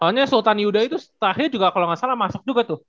soalnya sultan yudhaya itu setelahnya juga kalo nggak salah masuk juga tuh